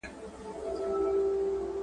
ورپسې مي اورېدلې له پوهانو ..